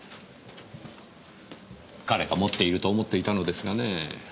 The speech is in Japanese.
彼が持っていると思っていたのですがねぇ。